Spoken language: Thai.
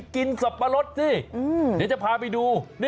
อย่างนี้ก็กลับมาไปกินซับปะรสสิเนี่ยจะพาไปดู